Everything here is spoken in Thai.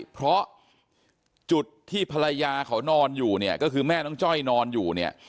เพราะจุดที่ภรรยาเขานอนอยู่เนี่ยก็คือแม่น้องจ้อยนอนอยู่เนี่ย